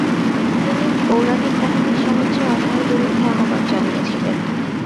তিনি পৌরাণিক কাহিনীর সাহায্যে অন্যায়ের বিরুদ্ধে আহ্বান জানিয়েছিলেন।